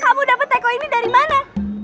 kamu dapat teko ini dari mana